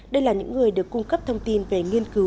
đây là những người được cung cấp thông tin về nghiên cứu